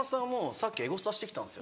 さっきエゴサしてきたんですよ。